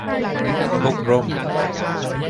พกร่ม